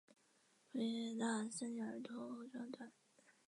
维也纳森林儿童合唱团。